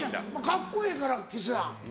カッコええから吉瀬さん。